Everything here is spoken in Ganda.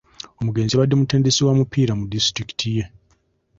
Omugenzi yabadde mutendesi wa mupiira mu disitulikiti ye.